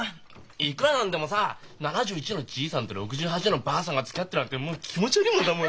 いくら何でもさ７１のじいさんと６８のばあさんがつきあってるなんてもう気持ち悪いもんな。